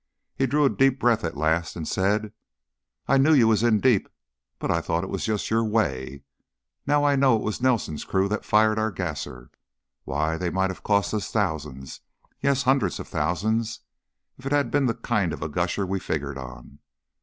He drew a deep breath at last and said: "I knew you was in deep, but I thought it was just your way. Now I know it was Nelson's crew that fired our gasser. Why, they might have cost us thousands yes, hundreds of thousands if it had been the kind of a gusher we figgered on!